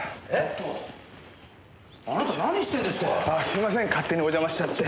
すいません勝手にお邪魔しちゃって。